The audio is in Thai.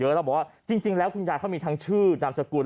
เดี๋ยวเราบอกว่าจริงแล้วคุณยาวเขามีทางชื่อตามสกุล